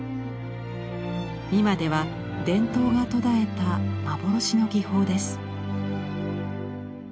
今では伝統が途絶えた幻の技法です。